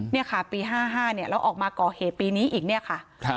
นี่ค่ะปี๕๕เนี่ยแล้วออกมาก่อเหตุปีนี้อีกเนี่ยค่ะ